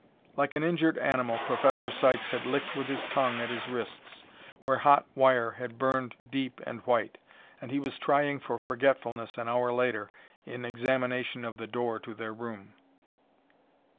Like an injured animal, Professor Sykes had licked with his tongue at his wrists, where hot wire had burned deep and white, and he was trying for forgetfulness an hour later, in examination of the door to their room.